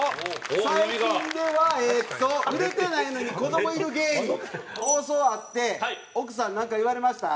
最近ではえーっと売れてないのに子供いる芸人放送あって奥さんになんか言われました？